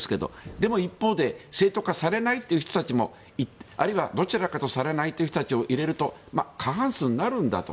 でも一方で正当化されないという人たちもあるいはどちらかというとされないという人たちを入れると過半数になるんだと。